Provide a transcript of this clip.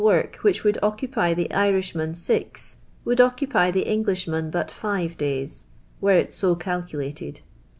trk which would occupy the Irishman six, would occupy the Knglishman but live days, were it so calculated.